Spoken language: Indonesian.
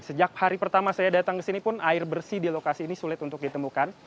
sejak hari pertama saya datang ke sini pun air bersih di lokasi ini sulit untuk ditemukan